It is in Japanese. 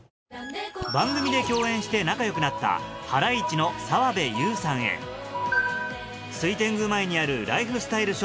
番組で共演して仲良くなったハライチの澤部佑さんへ水天宮前にあるライフスタイルショップ